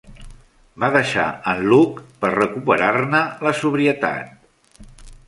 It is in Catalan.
Va deixar en Luke per recuperar-ne la sobrietat.